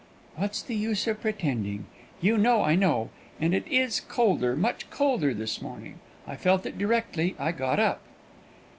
"What is the use of pretending? You know I know. And it is colder, much colder, this morning. I felt it directly I got up."